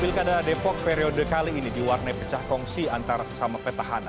pilkada depok periode kali ini diwarnai pecah kongsi antara sesama petahana